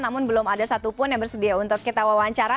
namun belum ada satupun yang bersedia untuk kita wawancara